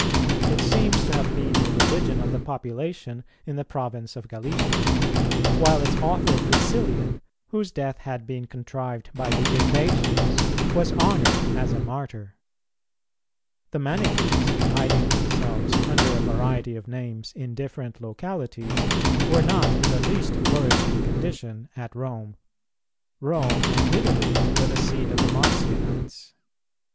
It seems to have been the religion of the population in the province of Gallicia, while its author Priscillian, whose death had been contrived by the Ithacians, was honoured as a Martyr. The Manichees, hiding themselves under a variety of names in different localities, were not in the least flourishing condition at Rome. Rome and Italy were the seat of the Marcionites.